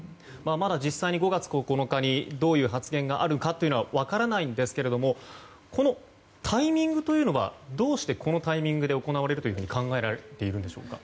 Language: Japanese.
まだ実際に５月９日にどういう発言があるかは分からないですがこのタイミングというのはどうしてこのタイミングで行われると考えられているんでしょうか。